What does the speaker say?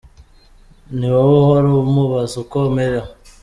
Ni wowe uhora umubaza uko amerewe.